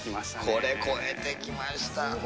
これ、超えてきましたね。